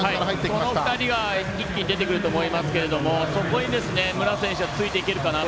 この２人は一気に出てくると思いますけどそこに武良選手がついていけるかなと。